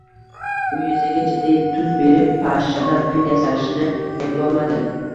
U yuziga jiddiy tus berib pashshadan fil yasashni eplolmaydi